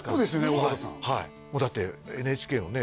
緒形さんはいもうだってＮＨＫのね